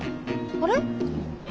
あれ？